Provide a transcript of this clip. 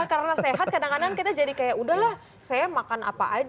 karena sehat kadang kadang kita jadi kayak udah lah saya makan apa aja